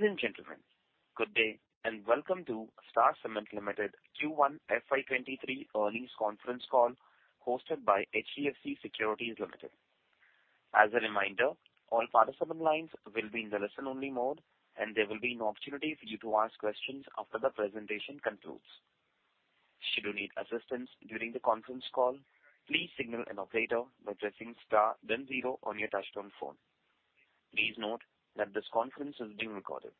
Ladies and gentlemen, good day and welcome to Star Cement Limited Q1 FY '23 earnings conference call hosted by HDFC Securities Limited. As a reminder, all participant lines will be in the listen-only mode, and there will be an opportunity for you to ask questions after the presentation concludes. Should you need assistance during the conference call, please signal an operator by pressing star then zero on your touch-tone phone. Please note that this conference is being recorded.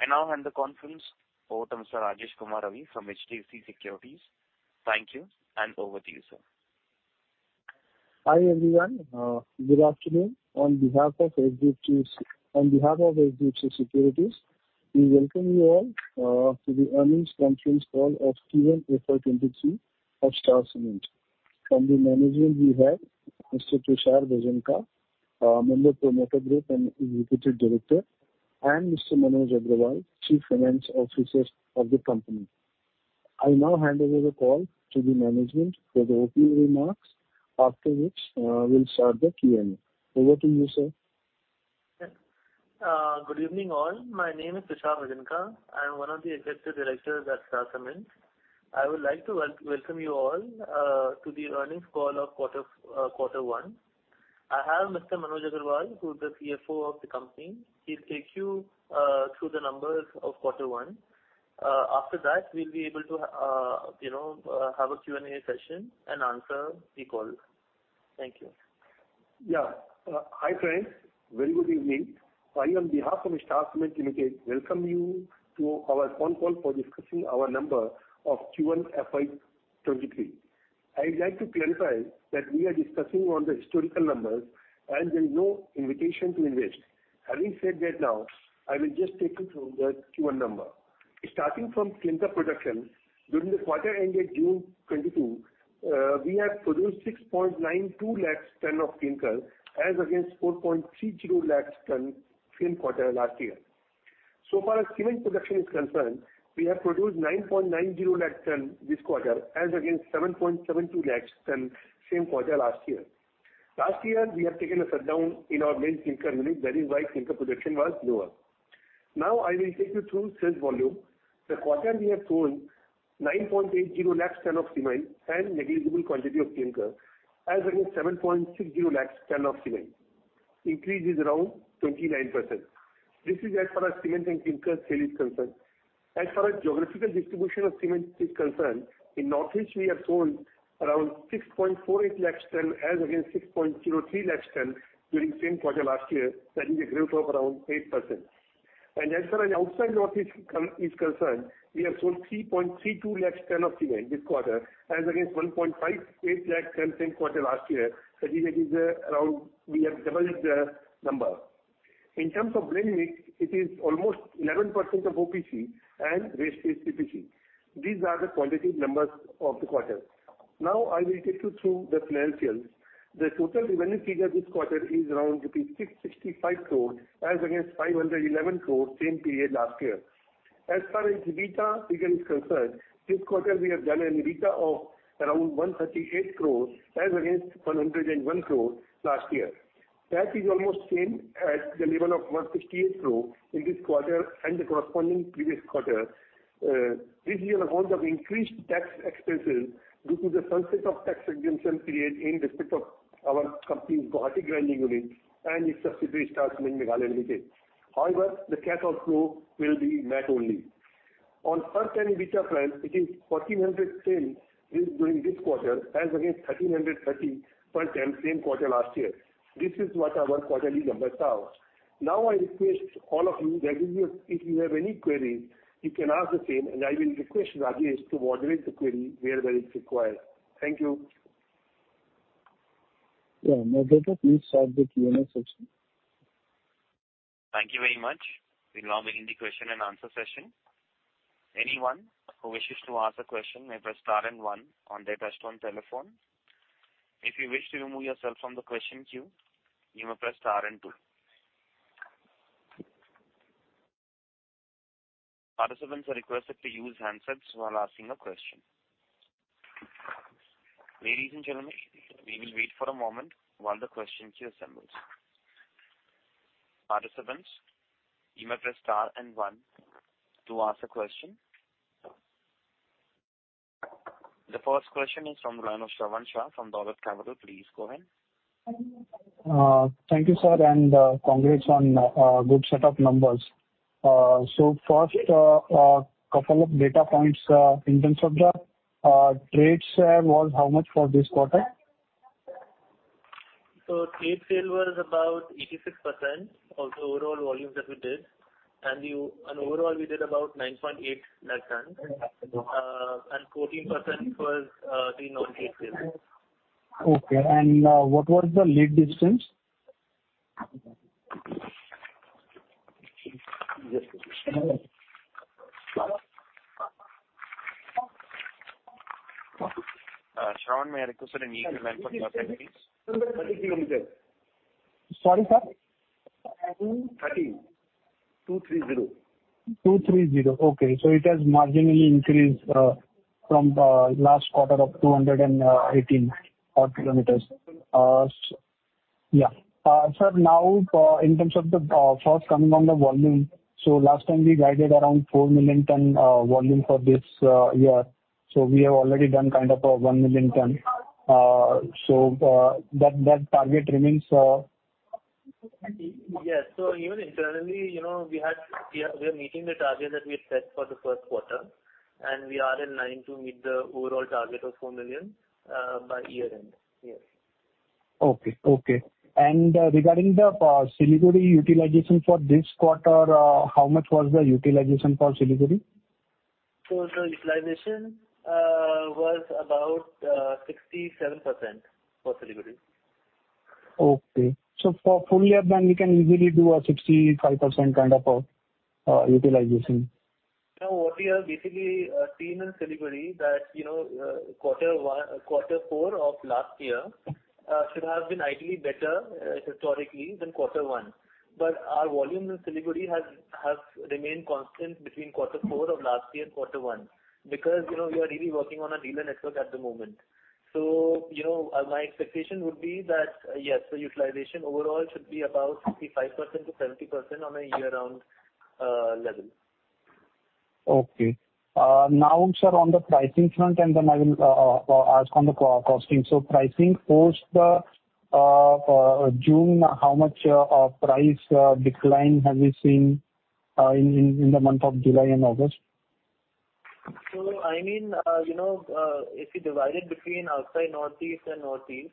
I now hand the conference over to Mr. Rajesh Kumar Ravi from HDFC Securities. Thank you, and over to you, sir. Hi everyone, good afternoon. On behalf of HDFC Securities, we welcome you all to the earnings conference call of Q1 FY '23 of Star Cement. From the management we have, Mr. Tushar Bhajanka, member, Promoter Group and Executive Director, and Mr. Manoj Agarwal, Chief Financial Officer of the company. I now hand over the call to the management for the opening remarks, after which, we'll start the Q&A. Over to you, sir. Good evening all. My name is Tushar Bhajanka. I'm one of the executive directors at Star Cement. I would like to welcome you all, to the earnings call of quarter one. I have Mr. Manoj Agarwal, who's the CFO of the company. He'll take you, through the numbers of quarter one. After that, we'll be able to you know, have a Q&A session and answer the calls. Thank you. Yeah, hi friends. Very good evening. I on behalf of Star Cement Limited welcome you to our phone call for discussing our numbers for Q1 FY '23. I'd like to clarify that we are discussing the historical numbers, and there's no invitation to invest. Having said that now, I will just take you through the Q1 numbers. Starting from clinker production, during the quarter ended June 22, we have produced 6.92 lakh tons of clinker as against 4.30 lakh tons same quarter last year. So far as cement production is concerned, we have produced 9.90 lakh tons this quarter as against 7.72 lakh tons same quarter last year. Last year, we have taken a shutdown in our main clinker unit. That is why clinker production was lower. Now I will take you through sales volume. This quarter we have sold 9.80 lakh tons of cement and negligible quantity of clinker as against 7.60 lakh tons of cement. Increase is around 29%. This is as far as cement and clinker sale is concerned. As far as geographical distribution of cement is concerned, in North East we have sold around 6.48 lakh tons as against 6.03 lakh tons during same quarter last year. That is a growth of around 8%. As far as outside North East is concerned, we have sold 3.32 lakh tons of cement this quarter as against 1.58 lakh tons same quarter last year. That is, around we have doubled the number. In terms of blend mix, it is almost 11% of OPC and rest is PPC. These are the quantitative numbers of the quarter. Now I will take you through the financials. The total revenue figure this quarter is around 665 crore as against 511 crore same period last year. As far as EBITDA figure is concerned, this quarter we have done an EBITDA of around 138 crore as against 101 crore last year. That is almost same at the level of 168 crore in this quarter and the corresponding previous quarter. This is on account of increased tax expenses due to the sunset of tax exemption period in respect of our company's Guwahati Grinding Unit and its subsidiary Star Cement Meghalaya Limited. However, the cash outflow will be net only. On per-ton EBITDA plan, it is 1,400 per ton during this quarter as against 1,330 per ton same quarter last year. This is what our quarterly number sounds. Now I request all of you that if you have any queries, you can ask the same, and I will request Rajesh to moderate the query wherever it's required. Thank you. Yeah, Moderator, please start the Q&A session. Thank you very much. We'll now begin the question and answer session. Anyone who wishes to ask a question may press star and one on their touch-tone telephone. If you wish to remove yourself from the question queue, you may press star and two. Participants are requested to use handsets while asking a question. Ladies and gentlemen, we will wait for a moment while the question queue assembles. Participants, you may press star and one to ask a question. The first question is from the line of Shravan Shah from Dolat Capital. Please go ahead. Thank you, sir, and congrats on good set of numbers. So first, couple of data points, in terms of the trade sale, was how much for this quarter? Trade sale was about 86% of the overall volume that we did, and overall we did about 980,000 tons, and 14% was the non-trade sale. Okay, and what was the lead distance? Shravan, may I request an [EQ line for your equities?] Sorry, sir? I think 230. 230 km. 230. Okay. So it has marginally increased from last quarter of 218 km. Yes, sir, now in terms of the first coming on the volume, so last time we guided around 4 million ton volume for this year. So we have already done kind of a 1 million ton. So that target remains. Yeah, so even internally, you know, we are meeting the target that we had set for the first quarter, and we are in line to meet the overall target of 4 million by year-end. Yes. Okay, okay. Regarding the Siliguri utilization for this quarter, how much was the utilization for Siliguri? The utilization was about 67% for Siliguri. Okay. So for fully up, then we can easily do a 65% kind of a utilization. Now, what we have basically seen in Siliguri that, you know, quarter one quarter four of last year should have been ideally better, historically than quarter one. But our volume in Siliguri has remained constant between quarter four of last year and quarter one because, you know, we are really working on a dealer network at the moment. So, you know, my expectation would be that, yes, the utilization overall should be about 65%-70% on a year-round level. Okay. Now, sir, on the pricing front, and then I will ask on the costing. So, pricing post the June, how much price decline have we seen in the month of July and August? So I mean, you know, if you divide it between outside North East and North East,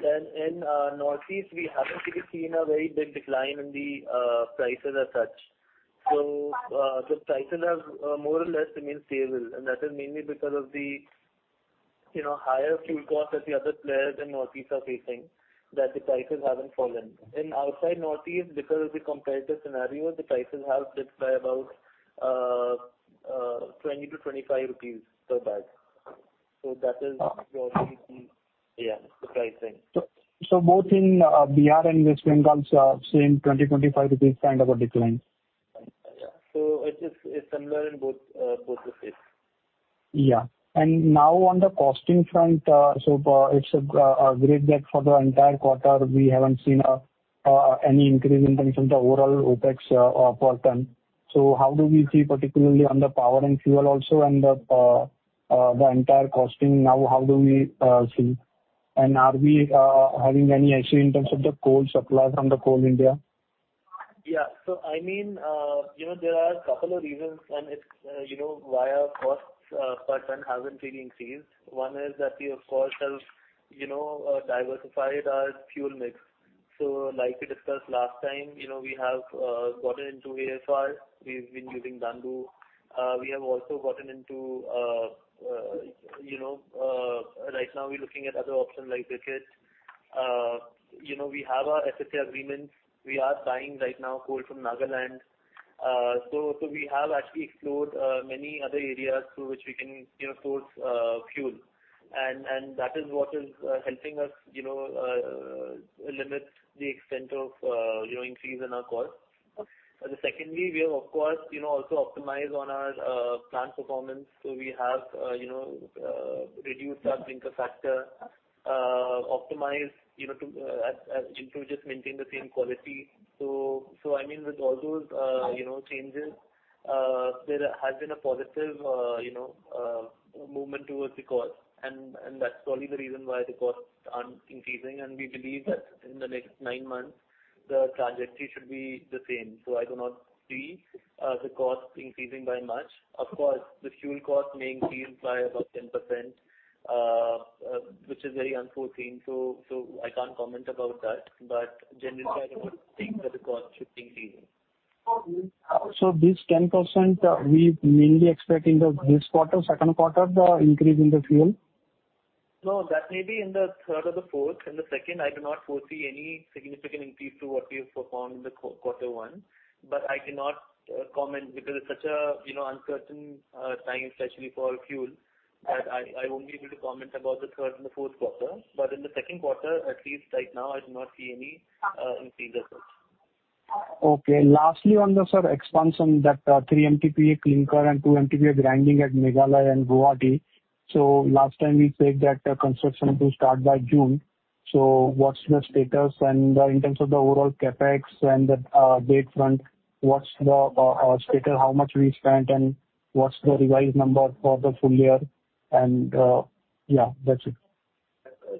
then in North East, we haven't really seen a very big decline in the prices as such. So the prices have more or less remained stable, and that is mainly because of the you know, higher fuel costs that the other players in North East are facing, that the prices haven't fallen. In outside North East, because of the competitive scenario, the prices have dipped by about 20-25 rupees per bag. So that is broadly the yeah, the pricing. So, both in Bihar and West Bengal, sir, same 20-25 rupees kind of a decline? Yeah. So it is, it's similar in both, both the states. Yeah. And now on the costing front, so, it's a great gap for the entire quarter. We haven't seen any increase in terms of the overall OpEx per ton. So how do we see particularly on the power and fuel also and the entire costing now, how do we see? And are we having any issue in terms of the coal supply from Coal India? Yeah. So I mean, you know, there are a couple of reasons, and it's, you know, why our costs per ton haven't really increased. One is that we, of course, have, you know, diversified our fuel mix. So like we discussed last time, you know, we have gotten into AFR. We've been using bamboo. We have also gotten into, you know, right now we're looking at other options like briquette. You know, we have our FSA agreements. We are buying right now coal from Nagaland. So, so we have actually explored many other areas through which we can, you know, source fuel. And, and that is what is helping us, you know, limit the extent of, you know, increase in our costs. Secondly, we have, of course, you know, also optimized on our plant performance. So we have, you know, reduced our clinker factor, optimized, you know, to introduce maintain the same quality. So, so I mean, with all those, you know, changes, there has been a positive, you know, movement towards the cost. And, and that's probably the reason why the costs aren't increasing. And we believe that in the next nine months, the trajectory should be the same. So I do not see the cost increasing by much. Of course, the fuel cost may increase by about 10%, which is very unforeseen. So, so I can't comment about that. But generally, I do not think that the cost should be increasing. This 10%, we're mainly expecting this quarter, second quarter, the increase in the fuel? No, that may be in the third or the fourth. In the second, I do not foresee any significant increase to what we have performed in the quarter one. But I cannot comment because it's such a, you know, uncertain time, especially for fuel, that I won't be able to comment about the third and the fourth quarter. But in the second quarter, at least right now, I do not see any increase as such. Okay. Lastly on the, sir, expansion that 3 MTPA clinker and 2 MTPA grinding at Meghalaya and Guwahati. So last time we said that construction to start by June. So what's the status and in terms of the overall CapEx and the debt front, what's the status? How much we spent and what's the revised number for the full year? And yeah, that's it.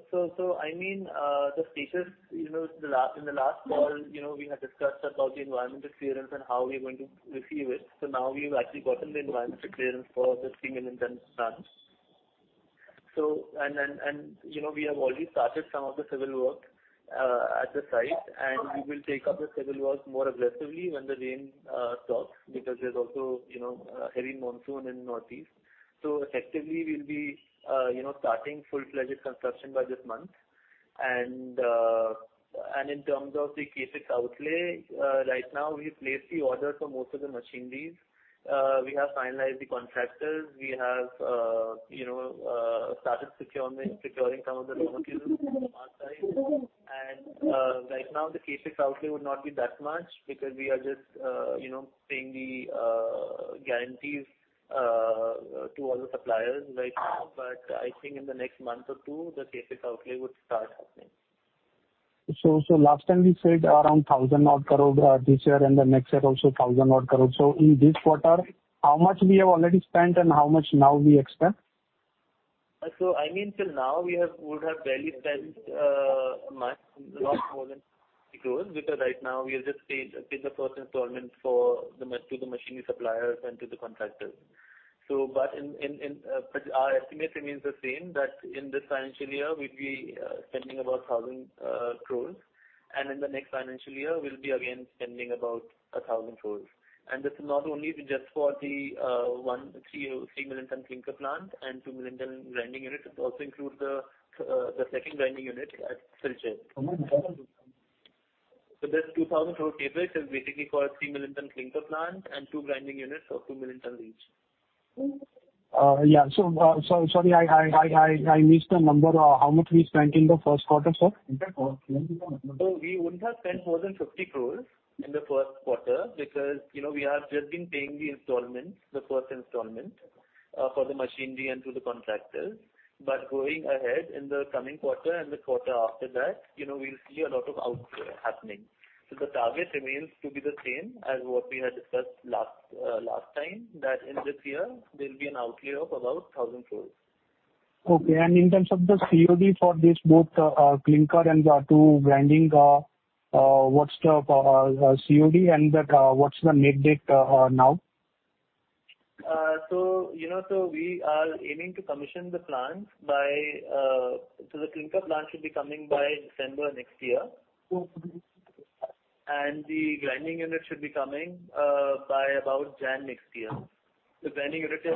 So, I mean, the status, you know, the last call, you know, we had discussed about the environmental clearance and how we are going to receive it. So now we have actually gotten the environmental clearance for the 3 million ton plans. So, and you know, we have already started some of the civil work at the site. And we will take up the civil work more aggressively when the rain stops because there's also, you know, a heavy monsoon in North East. So effectively, we'll be, you know, starting full-fledged construction by this month. And in terms of the CapEx outlay, right now, we've placed the order for most of the machineries. We have finalized the contractors. We have, you know, started securing some of the raw materials on our side. Right now, the CapEx outlay would not be that much because we are just, you know, paying the guarantees to all the suppliers right now. But I think in the next month or two, the CapEx outlay would start happening. So, last time we said around 1,000-odd crore this year, and the next year also 1,000-odd crore. So in this quarter, how much we have already spent and how much now we expect? So I mean, till now, we would have barely spent much, not more than INR 1 crore because right now, we have just paid the first installment for the machinery to the machinery suppliers and to the contractors. But in our estimate remains the same that in this financial year, we'd be spending about 1,000 crores. And in the next financial year, we'll be again spending about 1,000 crores. And this is not only just for the 3 million ton clinker plant and 2 million ton grinding unit. It also includes the second grinding unit at Silchar. Oh my God. This INR 2,000 crore CapEx is basically for a 3 million ton clinker plant and 2 grinding units of 2 million tons each. Yeah. So, sorry, I missed the number, how much we spent in the first quarter, sir? We wouldn't have spent more than 50 crore in the first quarter because, you know, we have just been paying the installment, the first installment, for the machinery and to the contractors. Going ahead in the coming quarter and the quarter after that, you know, we'll see a lot of outlay happening. The target remains to be the same as what we had discussed last, last time, that in this year, there'll be an outlay of about 1,000 crore. Okay. And in terms of the COD for this both clinker and the two grinding, what's COD and that? What's the net date now? So, you know, so we are aiming to commission the plants by, so the clinker plant should be coming by December next year. The grinding unit should be coming by about January next year. The grinding unit is,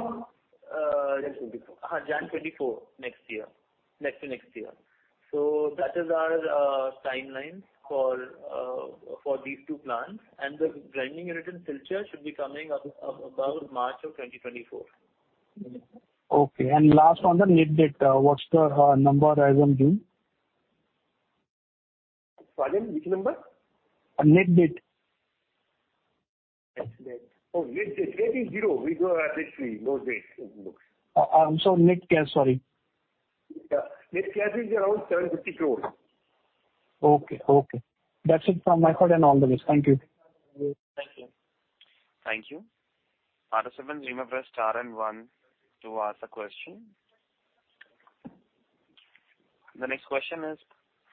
Jan '24? January 2024 next year, next to next year. So that is our timeline for these two plants. And the grinding unit in Silchar should be coming up about March of 2024. Okay. And last on the net debt, what's the number as on June? Sorry, again? Which number? Net debt. Net debt. Oh, net debt. Debt is zero. We are net debt free, no debt, it looks. I'm sorry. Net cash, sorry. Yeah. Net cash is around 750 crores. Okay, okay. That's it from my part and all the rest. Thank you. Thank you. Thank you. Participants, we may press star and one to ask a question. The next question is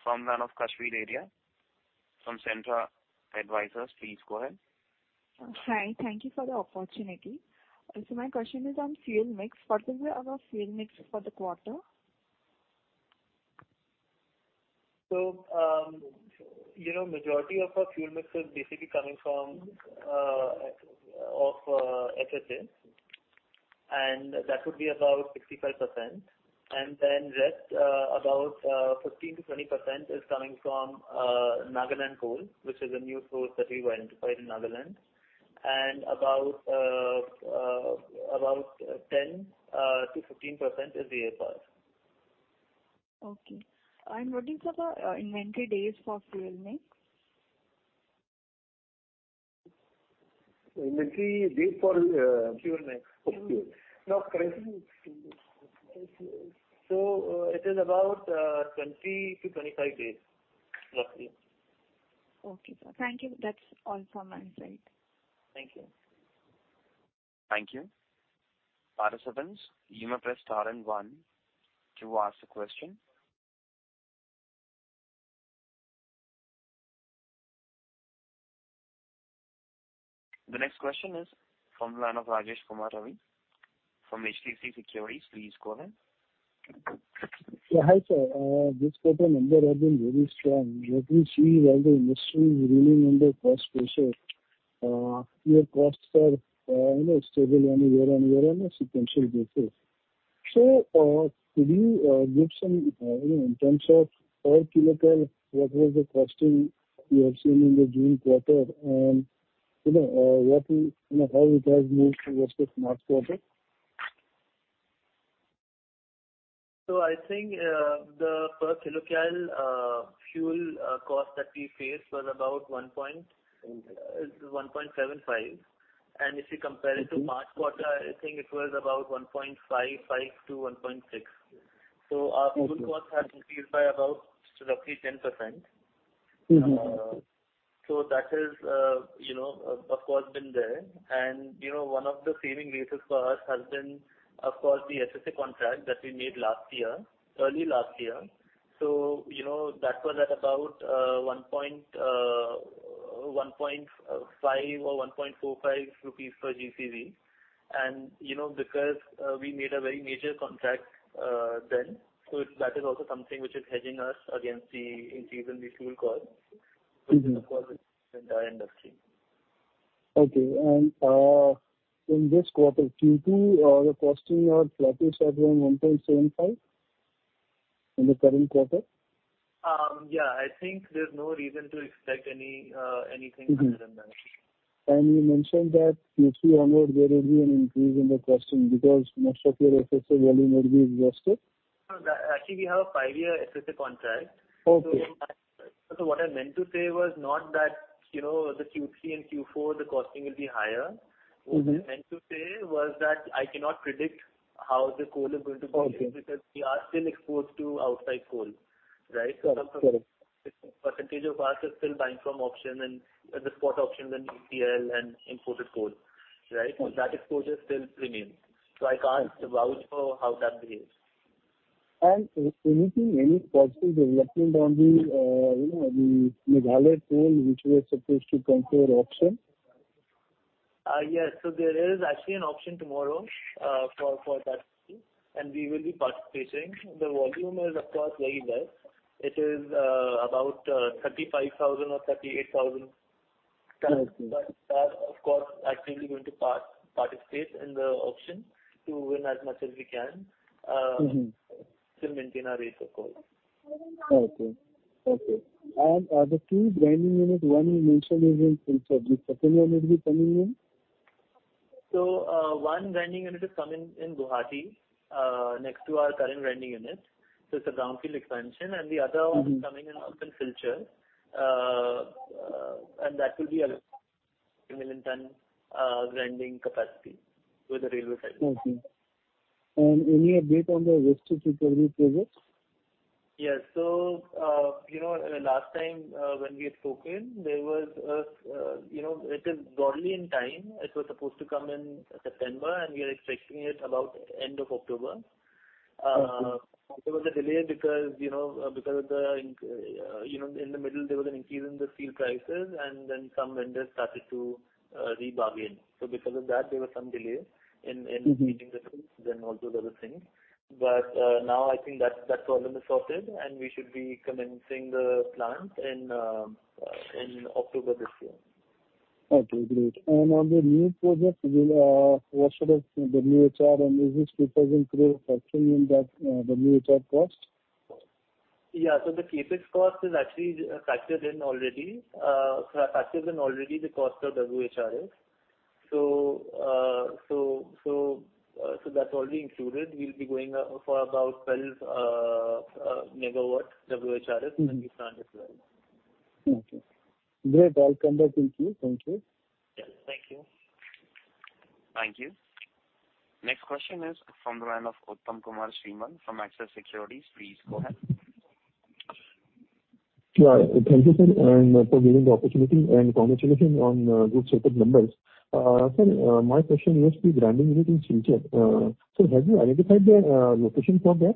from the one of Kashvi Dedhia, from Centra Advisors. Please go ahead. Hi. Thank you for the opportunity. My question is on fuel mix. What will be our fuel mix for the quarter? So, you know, majority of our fuel mix is basically coming from FSA. And that would be about 65%. And then rest, about 15%-20% is coming from Nagaland coal, which is a new source that we've identified in Nagaland. And about 10%-15% is the AFR. Okay. And what is the inventory days for fuel mix? Inventory days for fuel mix. Oh, fuel. No, correction. It is about 20 to 25 days, roughly. Okay, sir. Thank you. That's all from my side. Thank you. Thank you. Participants, we may press star and one to ask a question. The next question is from the one of Rajesh Kumar Ravi from HDFC Securities. Please go ahead. Yeah. Hi, sir. This quarter number has been very strong. What we see is all the industry is really under cost pressure. Your costs are, you know, stable on a year-over-year and a sequential basis. So, could you give some, you know, in terms of per kilocal, what was the costing you have seen in the June quarter and, you know, what you know, how it has moved towards the March quarter? I think the per kcal fuel cost that we faced was about 1. 1.5. 1.75. If you compare it to March quarter, I think it was about 1.55-1.6. So our fuel cost has increased by about roughly 10%. Mm-hmm. So that has, you know, of course, been there. And, you know, one of the saving reasons for us has been, of course, the FSA contract that we made last year, early last year. So, you know, that was at about 1.5 or 1.45 rupees per GCV. And, you know, because we made a very major contract, then, so that is also something which is hedging us against the increase in the fuel cost, which is, of course, in our industry. Okay. In this quarter, Q2, the costing or flat is at around 1.75 in the current quarter? Yeah. I think there's no reason to expect anything higher than that. You mentioned that Q3 onward, there will be an increase in the costing because most of your FSA volume will be exhausted? No, no. Actually, we have a 5-year FSA contract. Okay. So, what I meant to say was not that, you know, the Q3 and Q4, the costing will be higher. Okay. What I meant to say was that I cannot predict how the coal is going to behave because we are still exposed to outside coal, right? Correct. Some percentage of us are still buying from e-auctions and the spot e-auctions and e-auction and imported coal, right? Mm-hmm. So that exposure still remains. So I can't vouch for how that behaves. Anything, any positive development on the, you know, the Meghalaya coal which was supposed to come through e-auction? Yes. So there is actually an option tomorrow for that. And we will be participating. The volume is, of course, very less. It is about 35,000 or 38,000 tons. Okay. But that, of course, actually going to participate in the auction to win as much as we can. Mm-hmm. To maintain our rates of coal. Okay. Okay. And the two grinding units, one you mentioned is in Silchar. The second one will be coming in? So, one grinding unit is coming in Guwahati, next to our current grinding unit. So it's a greenfield expansion. And the other one is coming up in Silchar, and that will be a 1 million-ton grinding capacity with the railway siding. Okay. Any update on the waste heat recovery projects? Yes. So, you know, last time, when we had spoken, there was a, you know, it is broadly in time. It was supposed to come in September, and we are expecting it about end of October. Okay. There was a delay because, you know, because of the, you know, in the middle, there was an increase in the steel prices, and then some vendors started to re-bargain. So because of that, there was some delay. Mm-hmm. Meeting the terms and also the other things. But, now I think that problem is sorted, and we should be commencing the plants in October this year. Okay. Great. And on the new project, what should be the new CapEx, and is this reflected in Q2 factoring in that, the new CapEx cost? Yeah. So the CapEx cost is actually factored in already. Factored in already the cost of WHRS. So that's already included. We'll be going for about 12 MW WHRS in the new plant as well. Okay. Great. I'll come back. Thank you. Thank you. Yes. Thank you. Thank you. Next question is from the line of Uttam Kumar Srimal from Axis Securities. Please go ahead. Yeah. Thank you, sir, and for giving the opportunity. Congratulations on good circuit numbers. Sir, my question is the grinding unit in Silchar. So have you identified the location for that?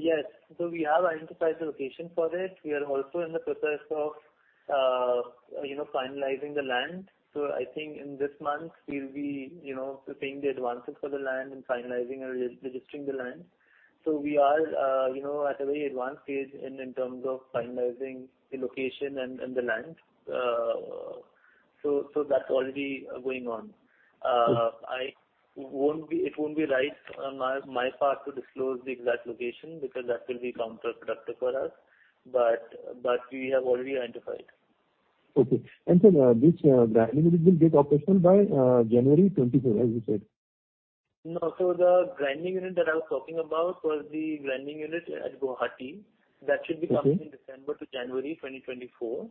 Yes. So we have identified the location for it. We are also in the process of, you know, finalizing the land. So I think in this month, we'll be, you know, paying the advances for the land and finalizing and re-registering the land. So we are, you know, at a very advanced stage in, in terms of finalizing the location and, and the land. So, so that's already going on. Okay. It won't be right on my part to disclose the exact location because that will be counterproductive for us. But we have already identified. Okay. And, sir, this grinding unit will get operational by January 2024, as you said? No. So the grinding unit that I was talking about was the grinding unit at Guwahati. That should be coming. Okay. In December to January 2024,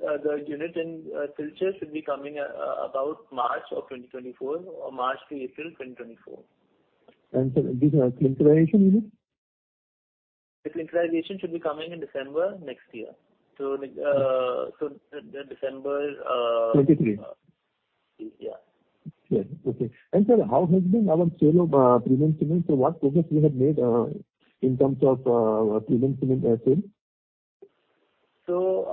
the unit in Silchar should be coming about March of 2024 or March to April 2024. Sir, this clinkerization unit? The clinkerization should be coming in December next year. So, the December... '23? Yeah. Yeah. Okay. And, sir, how has been our sale of premium cement? So what progress we have made, in terms of premium cement sale? So,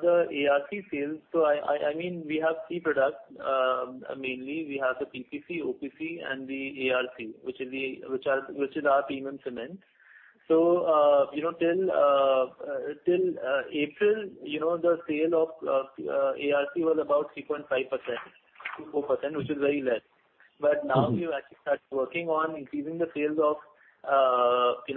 the ARC sales. I mean, we have three products. Mainly, we have the PPC, OPC, and the ARC, which is our premium cement. So, you know, till April, you know, the sale of ARC was about 3.5%-4%, which is very less. But now we've actually started working on increasing the sales of, you know, ARC. And, you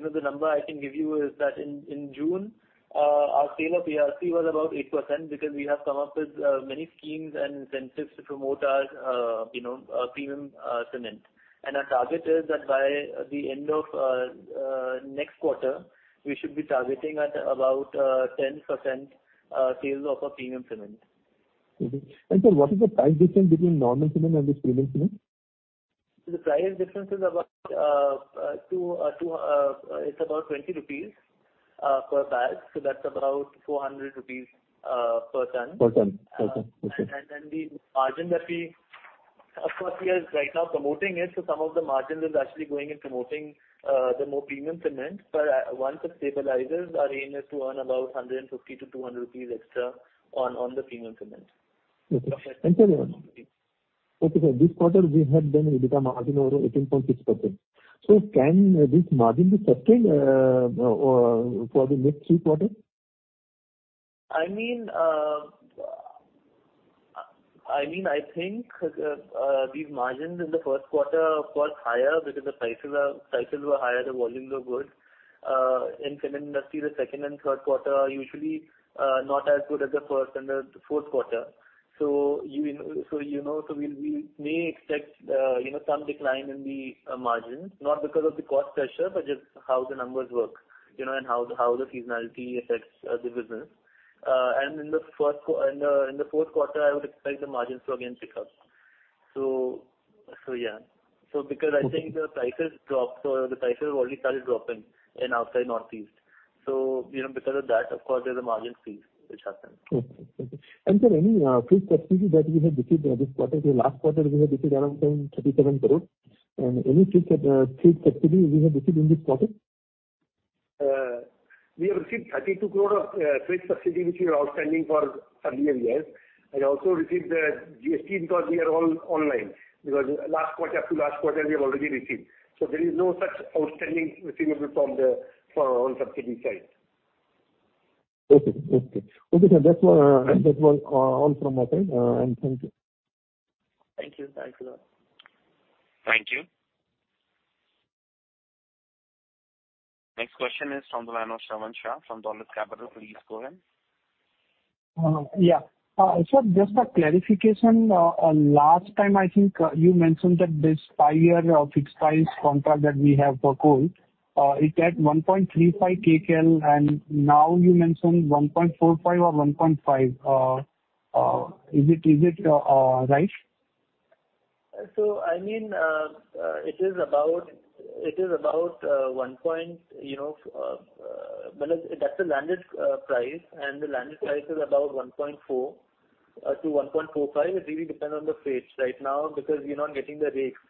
know, the number I can give you is that in June, our sale of ARC was about 8% because we have come up with many schemes and incentives to promote our, you know, premium cement. And our target is that by the end of next quarter, we should be targeting at about 10% sales of our premium cement. Okay. And, sir, what is the price difference between normal cement and this premium cement? The price difference is about 20, it's about 20 rupees per bag. So that's about 400 rupees per ton. Per ton. Per ton. Okay. the margin that we of course we are right now promoting it. So some of the margin is actually going in promoting the more premium cement. But once it stabilizes, our aim is to earn about 150-200 rupees extra on the premium cement. Okay. Sir, okay, sir, this quarter, we have done a better margin of 18.6%. So can this margin be sustained for the next three quarters? I mean, I mean, I think these margins in the first quarter, of course, higher because the prices are prices were higher. The volumes were good. In the cement industry, the second and third quarter are usually not as good as the first and the fourth quarter. So you know, so you know, so we'll we may expect, you know, some decline in the margins, not because of the cost pressure, but just how the numbers work, you know, and how, how the seasonality affects the business. And in the first quarter in the in the fourth quarter, I would expect the margins to again pick up. So, so yeah. So because I think the prices dropped or the prices have already started dropping in outside North East. So, you know, because of that, of course, there's a margin freeze, which happens. Okay. Okay. And, sir, any freight subsidy that we have received this quarter? The last quarter, we have received around, say, 37 crore. And any freight subsidy we have received in this quarter? We have received 32 crore of freight subsidy, which we are outstanding for earlier years. And also received the GST because we are all online because last quarter up to last quarter, we have already received. So there is no such outstanding receivable from the on subsidy side. Okay. Okay. Okay, sir, that's all, that's all, all from my side. Thank you. Thank you. Thanks a lot. Thank you. Next question is from the line of Shravan Shah from Dolat Capital. Please go ahead. Yeah, sir, just a clarification. Last time, I think, you mentioned that this five-year fixed price contract that we have for coal, it had 1.35 kcal, and now you mentioned 1.45 or 1.5. Is it, is it right? So I mean, it is about 1.0, you know, well, that's the landed price. The landed price is about 1.4-1.45. It really depends on the phase right now because, you know, I'm getting the rakes.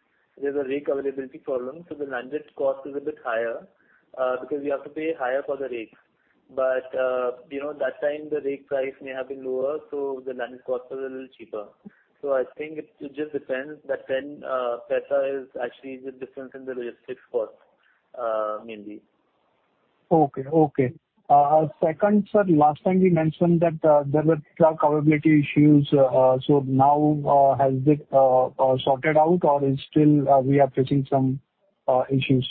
There's a rake availability problem, so the landed cost is a bit higher, because you have to pay higher for the rakes. But, you know, that time, the rake price may have been lower, so the landed cost was a little cheaper. So I think it just depends that when, ETA is actually the difference in the logistics cost, mainly. Okay. Okay. Second, sir, last time you mentioned that there were truck availability issues. So now, has it sorted out, or is still we are facing some issues?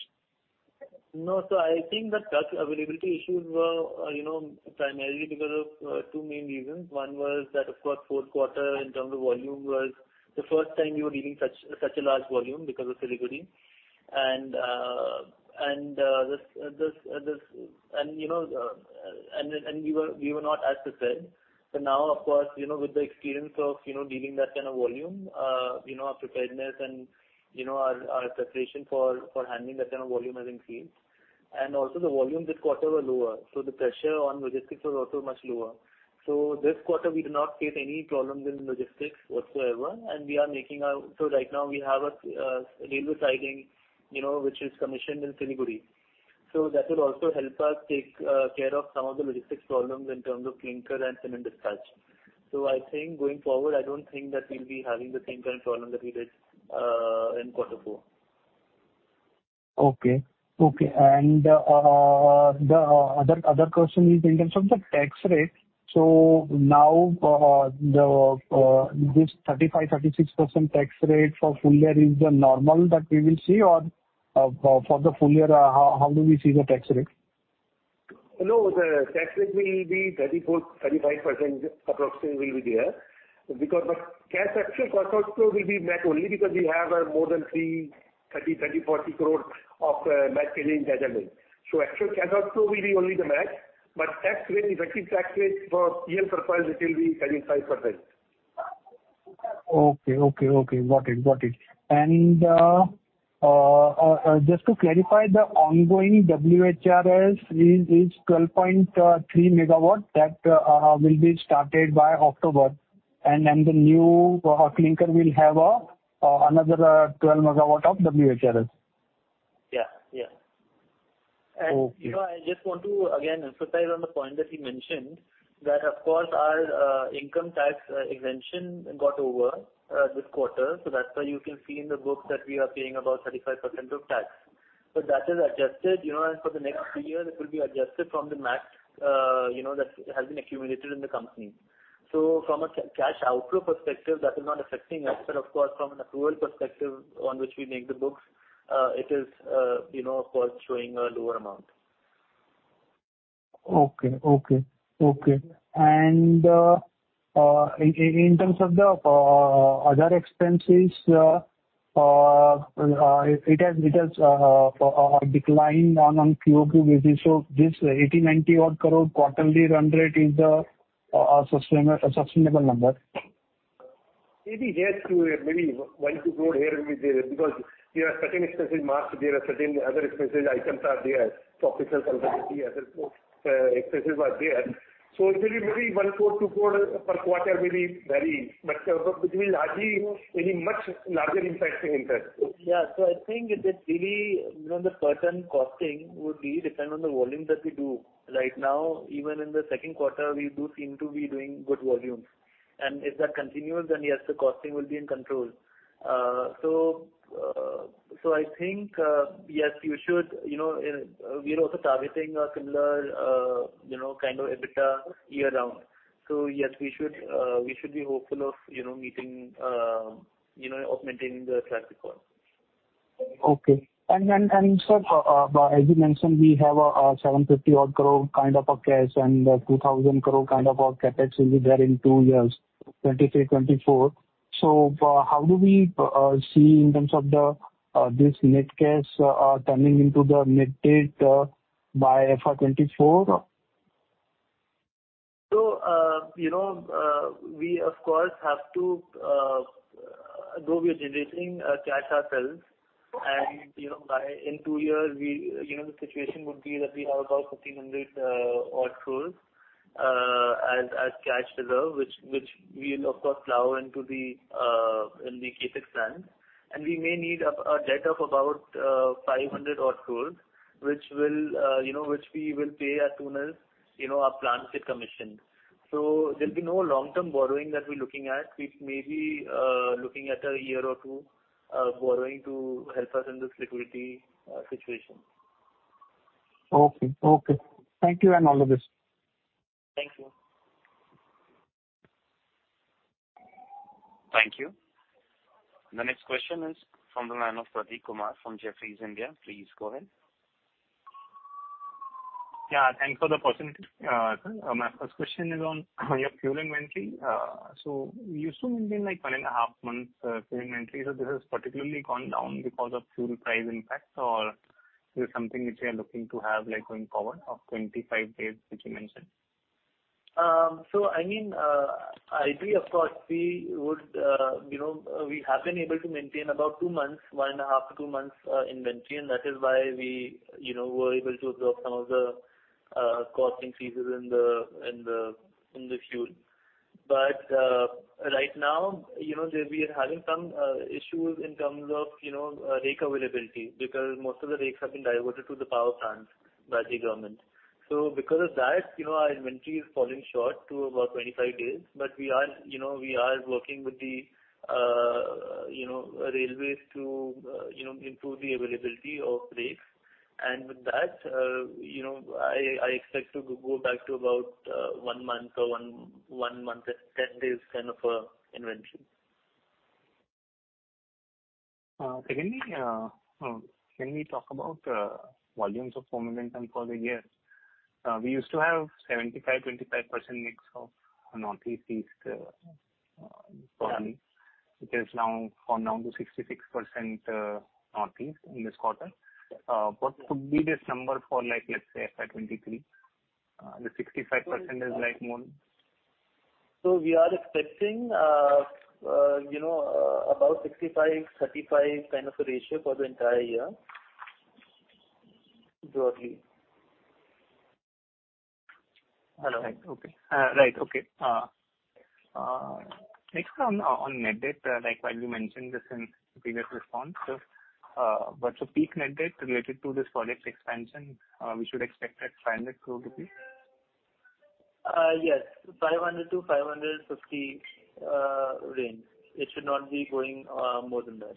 No. So I think the truck availability issues were, you know, primarily because of two main reasons. One was that, of course, fourth quarter, in terms of volume, was the first time we were dealing such a large volume because of Siliguri. And we were not as prepared. But now, of course, you know, with the experience of, you know, dealing that kind of volume, you know, our preparedness and, you know, our preparation for handling that kind of volume has increased. And also, the volume this quarter was lower, so the pressure on logistics was also much lower. So this quarter, we did not face any problems in logistics whatsoever, and we are, so right now, we have a railway siding, you know, which is commissioned in Siliguri. So that will also help us take care of some of the logistics problems in terms of clinker and cement dispatch. So I think going forward, I don't think that we'll be having the same kind of problem that we did in quarter four. Okay. The other question is in terms of the tax rate. So now, this 35%-36% tax rate for full year is the normal that we will see, or, for the full year, how do we see the tax rate? No, the tax rate will be 34%-35% approximately will be there because but cash actual cash outflow will be MAT only because we have more than 30-40 crore of MAT credit adjustment. So actual cash outflow will be only the MAT. But tax rate, effective tax rate for P&L purposes, it will be 35%. Okay. Okay. Okay. Got it. Got it. And, just to clarify, the ongoing WHRS is 12.3 MW that will be started by October. And the new clinker will have another 12 MW of WHRS. Yeah. Yeah. And, you know, I just want to, again, emphasize on the point that you mentioned that, of course, our income tax exemption got over, this quarter. So that's why you can see in the books that we are paying about 35% of tax. But that is adjusted, you know, and for the next three years, it will be adjusted from the MAT, you know, that has been accumulated in the company. So from a cash outflow perspective, that is not affecting us. But, of course, from an approval perspective on which we make the books, it is, you know, of course, showing a lower amount. Okay. In terms of the other expenses, it has a decline on a QoQ basis. So this 80-90 odd crore quarterly run rate is the sustainable number? Maybe there's 2, maybe 1 or 2 crore here and with there because there are certain expenses in March. There are certain other expenses. Items are there for official companies. The other expenses are there. So it will be maybe INR 1 crore, INR 2 crore per quarter, maybe varying. But it will hardly have any much larger impact in that. Yeah. So I think that really, you know, the pattern costing would really depend on the volume that we do. Right now, even in the second quarter, we do seem to be doing good volumes. And if that continues, then, yes, the costing will be in control. So I think, yes, you should, you know, we are also targeting a similar, you know, kind of EBITDA year-round. So yes, we should be hopeful of, you know, meeting, you know, augmenting the track record. Okay. And, sir, as you mentioned, we have a 750-odd crore kind of cash and 2,000 crore kind of CapEx will be there in two years, 2023, 2024. So, how do we see in terms of this net cash turning into the net debt by FY 2024? So, you know, we, of course, have to, though we are generating cash ourselves. And, you know, by in two years, we you know, the situation would be that we have about 1,500-odd crores as cash reserve, which, which we will, of course, plow into the, in the CapEx land. And we may need a, a debt of about 500-odd crores, which will, you know, which we will pay as soon as, you know, our plants get commissioned. So there'll be no long-term borrowing that we're looking at. We may be looking at a year or two borrowing to help us in this liquidity situation. Okay. Okay. Thank you and all the best. Thank you. Thank you. The next question is from the line of Prateek Kumar from Jefferies India. Please go ahead. Yeah. Thanks for the opportunity. Sir, my first question is on your fuel inventory. So you used to mention, like, 1.5 months fuel inventory. So this has particularly gone down because of fuel price impact, or is it something which you are looking to have, like, going forward of 25 days, which you mentioned? So I mean, ideally, of course, we would, you know, we have been able to maintain about 2 months, 1.5-2 months, inventory. That is why we, you know, were able to absorb some of the cost increases in the fuel. Right now, you know, there we are having some issues in terms of, you know, rake availability because most of the rakes have been diverted to the power plants by the government. Because of that, you know, our inventory is falling short to about 25 days. We are you know, we are working with the, you know, railways to, you know, improve the availability of rakes. With that, you know, I, I expect to go back to about 1 month or 1 month and 10 days kind of a inventory. Can we talk about volumes for the month and for the year? We used to have 75%-25% mix of North East East, for me, which has now gone down to 66% North East in this quarter. What would be this number for, like, let's say, FY '23? The 65% is, like, more. We are expecting, you know, about 65-35 kind of a ratio for the entire year, broadly. Hello? Okay. Right. Okay. Next on net debt—like, while you mentioned this in previous response, sir, but the peak net debt related to this project expansion, we should expect at 500 crore rupees? Yes, 500-550 range. It should not be going more than that.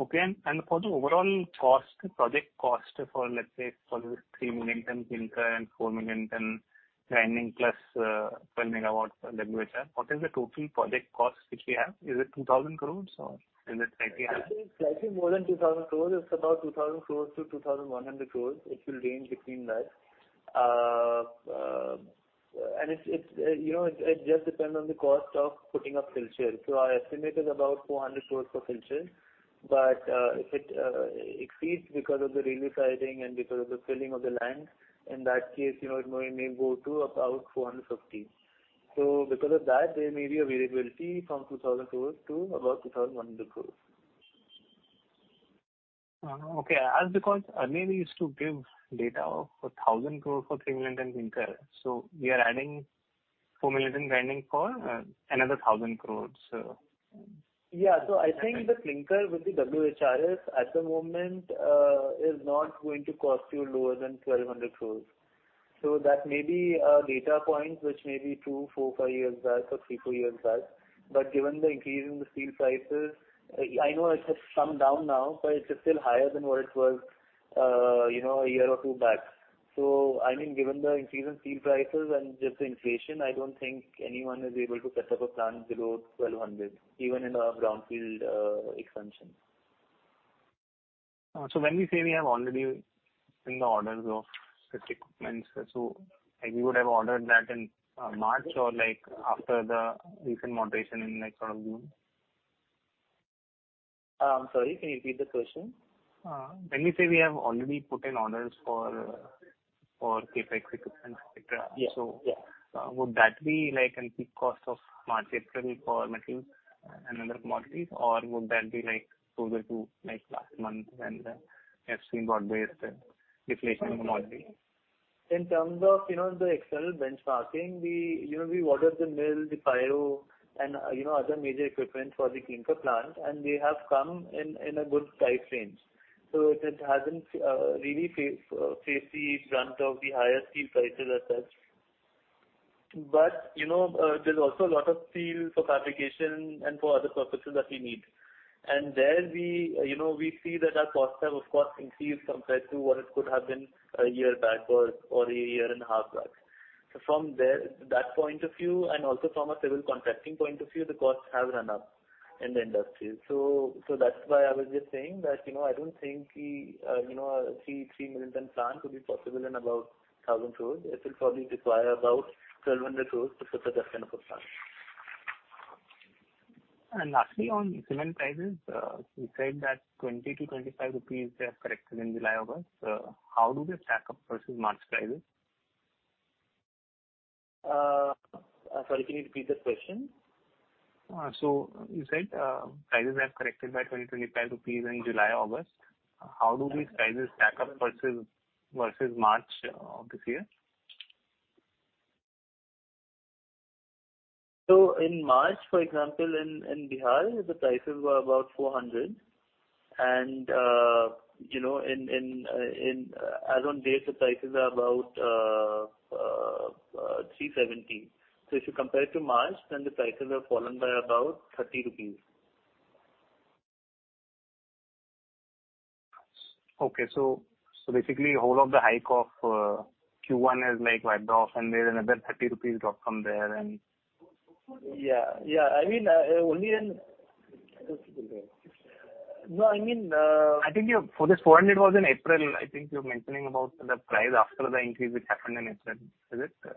Okay. For the overall cost, the project cost for, let's say, for this 3 million tons clinker and 4 million tons grinding plus, 12 MW WHR, what is the total project cost which we have? Is it 2,000 crore, or is it slightly higher? Slightly more than 2,000 crores. It's about 2,000 crores-2,100 crores. It will range between that, and it, you know, it just depends on the cost of putting up filters. So our estimate is about 400 crores for filters. But if it exceeds because of the railway siding and because of the filling of the land, in that case, you know, it may go to about 450 crores. So because of that, there may be a variability from 2,000 crores to about 2,100 crores. Okay. As the quote I maybe used to give data of 1,000 crore for 3 million tons clinker. So we are adding 4 million tons grinding for another 1,000 crore, sir. Yeah. So I think the clinker with the WHRS, at the moment, is not going to cost you lower than 1,200 crores. So that may be a data point which may be true 4-5 years back or 3-4 years back. But given the increase in the steel prices, I know it has come down now, but it's still higher than what it was, you know, a year or two back. So I mean, given the increase in steel prices and just the inflation, I don't think anyone is able to set up a plant below 1,200, even in a brownfield expansion. When we say we have already in the orders of equipment, so we would have ordered that in March or, like, after the recent moderation in, like, sort of June? I'm sorry. Can you repeat the question? When we say we have already put in orders for CapEx equipment, etc., so. Yeah. Yeah. Would that be, like, in peak cost of March, April for metals and other commodities, or would that be, like, closer to, like, last month when the FC brought base the deflation in commodities? In terms of, you know, the external benchmarking, we, you know, we ordered the mill, the pyro, and, you know, other major equipment for the clinker plant, and they have come in, in a good price range. So it, it hasn't really faced the brunt of the higher steel prices as such. But, you know, there's also a lot of steel for fabrication and for other purposes that we need. And there, we, you know, we see that our costs have, of course, increased compared to what it could have been a year back or, or a year and a half back. So from there, that point of view, and also from a civil contracting point of view, the costs have run up in the industry. So that's why I was just saying that, you know, I don't think we, you know, a 3 million tons plant would be possible in about 1,000 crores. It will probably require about 1,200 crores to put that kind of a plant. Lastly, on cement prices, you said that 20-25 rupees they have corrected in July-August. How do they stack up versus March prices? Sorry. Can you repeat the question? You said, prices have corrected by 20-25 rupees in July-August. How do these prices stack up versus March of this year? So in March, for example, in Bihar, the prices were about 400. And, you know, in as on date, the prices are about 370. So if you compare it to March, then the prices have fallen by about 30 rupees. Okay. So, so basically, all of the hike of Q1 is, like, wiped off, and there's another 30 rupees drop from there, and. Yeah. Yeah. I mean, only in, no... I mean, I think the INR 400 was in April. I think you're mentioning about the price after the increase which happened in April. Is it?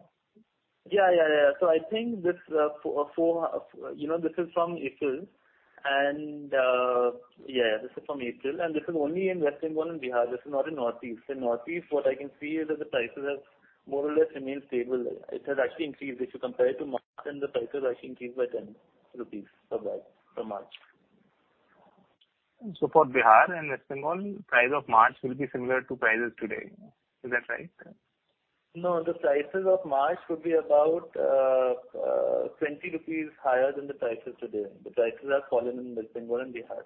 Yeah. Yeah. Yeah. So I think this, 4, 4 you know, this is from April. And yeah, this is from April. And this is only in West Bengal and Bihar. This is not in North East. In North East, what I can see is that the prices have more or less remained stable. It has actually increased. If you compare it to March, then the prices actually increased by 10 rupees for that for March. For Bihar and West Bengal, price of March will be similar to prices today. Is that right? No, the prices of March would be about 20 rupees higher than the prices today. The prices have fallen in West Bengal and Bihar.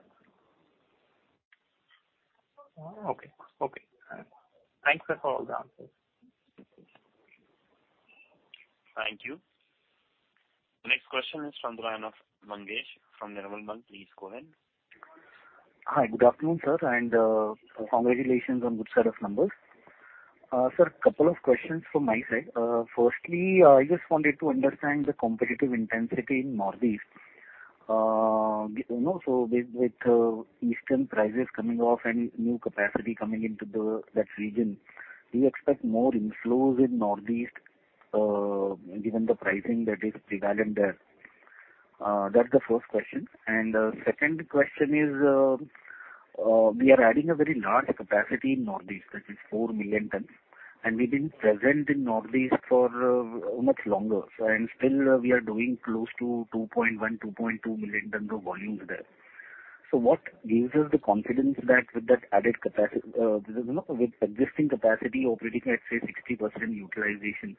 Oh, okay. Okay. Thanks, sir, for all the answers. Thank you. The next question is from the line of Mangesh from Nirmal Bang. Please go ahead. Hi. Good afternoon, sir. Congratulations on good set of numbers. Sir, a couple of questions from my side. Firstly, I just wanted to understand the competitive intensity in North East. You know, so with Eastern prices coming off and new capacity coming into that region, do you expect more inflows in North East, given the pricing that is prevalent there? That's the first question. The second question is, we are adding a very large capacity in North East, which is 4 million tons. We've been present in North East for much longer. And still, we are doing close to 2.1-2.2 million tons of volumes there. So what gives us the confidence that with that added capacity, you know, with existing capacity operating, let's say, 60% utilization,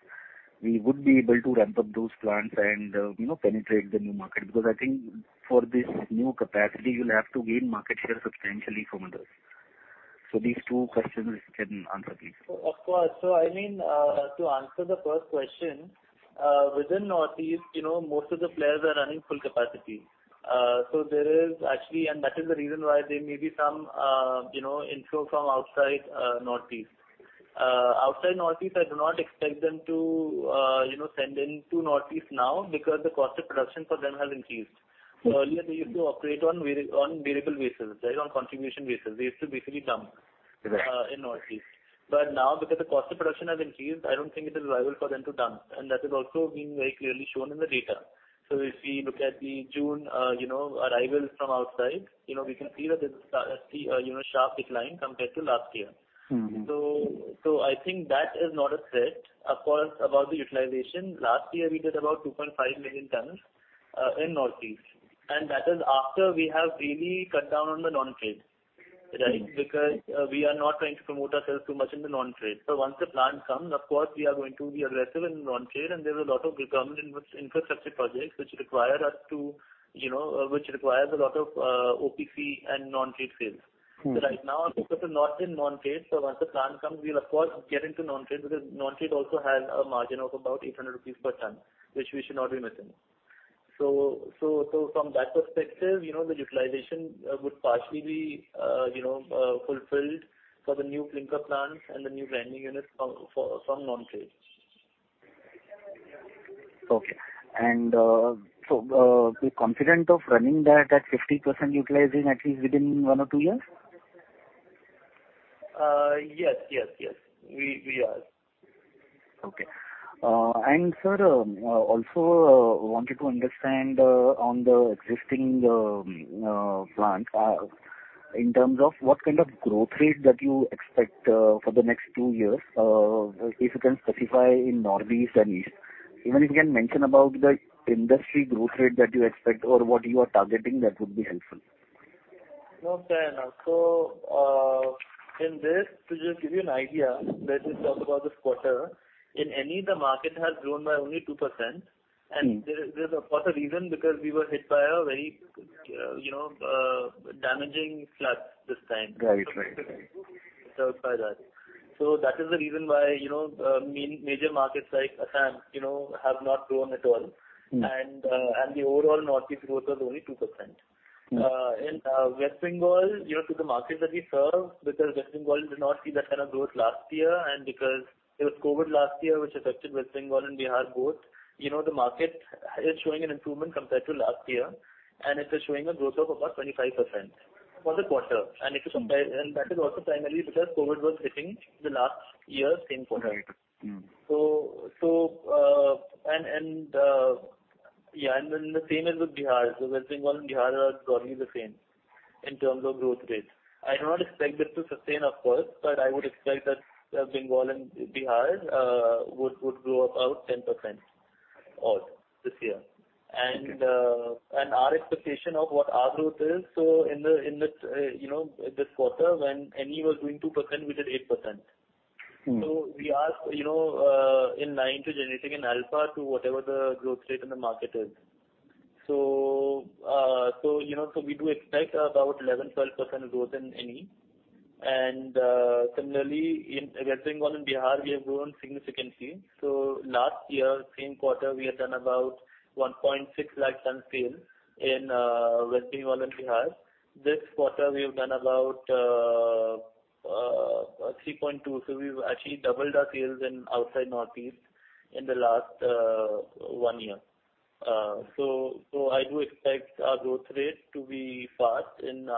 we would be able to ramp up those plants and, you know, penetrate the new market? Because I think for this new capacity, you'll have to gain market share substantially from others. So these two questions. Can answer, please? Of course. So I mean, to answer the first question, within North East, you know, most of the players are running full capacity. So there is actually and that is the reason why there may be some, you know, inflow from outside, North East. Outside North East, I do not expect them to, you know, send in to North East now because the cost of production for them has increased. So earlier, they used to operate on variable basis, right, on contribution basis. They used to basically dump in North East. But now, because the cost of production has increased, I don't think it is viable for them to dump. And that is also being very clearly shown in the data. So if we look at the June, you know, arrivals from outside, you know, we can see that there's a you know, sharp decline compared to last year. Mm-hmm. So, I think that is not a threat. Of course, about the utilization, last year, we did about 2.5 million tons in North East. That is after we have really cut down on the non-trade, right, because we are not trying to promote ourselves too much in the non-trade. So once the plant comes, of course, we are going to be aggressive in non-trade. There's a lot of government infrastructure projects which require us to, you know, which requires a lot of OPC and non-trade sales. So right now, our focus is not in non-trade. So once the plant comes, we'll, of course, get into non-trade because non-trade also has a margin of about 800 rupees per ton, which we should not be missing. So, from that perspective, you know, the utilization would partially be, you know, fulfilled for the new clinker plants and the new grinding units from non-trade. Okay. And so, confident of running that 50% utilizing at least within one or two years? Yes. We are. Okay. Sir, also wanted to understand, on the existing plant, in terms of what kind of growth rate that you expect for the next two years, if you can specify in North East and East, even if you can mention about the industry growth rate that you expect or what you are targeting, that would be helpful. No, sir. No. So, in this, to just give you an idea, let's just talk about this quarter. The market has grown by only 2%. And there's a for the reason because we were hit by a very, you know, damaging flood this time. Right. Right. So it's served by that. So that is the reason why, you know, main major markets like Assam, you know, have not grown at all. And the overall Northeast growth was only 2%. In West Bengal, you know, to the market that we serve because West Bengal did not see that kind of growth last year and because there was COVID last year, which affected West Bengal and Bihar both, you know, the market is showing an improvement compared to last year. And it is showing a growth of about 25% for the quarter. And if you compare and that is also primarily because COVID was hitting the last year, same quarter. Right. Mm-hmm. And then the same is with Bihar. So West Bengal and Bihar are broadly the same in terms of growth rate. I do not expect this to sustain, of course, but I would expect that Bengal and Bihar would grow about 10% odd this year. And our expectation of what our growth is so in the you know this quarter, when NE was doing 2%, we did 8%. So we are you know in line to generating an alpha to whatever the growth rate in the market is. So you know so we do expect about 11%-12% growth in NE. And similarly in West Bengal and Bihar, we have grown significantly. So last year, same quarter, we had done about 160,000 tons sales in West Bengal and Bihar. This quarter, we have done about 320,000. So we've actually doubled our sales in outside North East in the last one year. I do expect our growth rate to be fast in